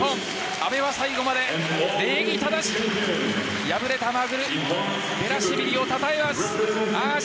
阿部は最後まで礼儀正しく敗れたマルクベラシュビリをたたえます。